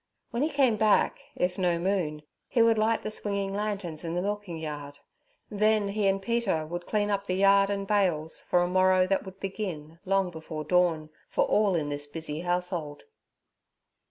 When he came back, if no moon, he would light the swinging lanterns in the milking yard; then he and Peter would clean up the yard and bails for a morrow that would begin long before dawn, for all in this busy household.